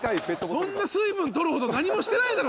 そんな水分取るほど何もしてないだろ！